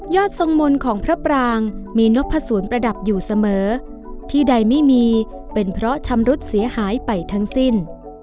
ทรงมนต์ของพระปรางมีนกพระศูนย์ประดับอยู่เสมอที่ใดไม่มีเป็นเพราะชำรุดเสียหายไปทั้งสิ้น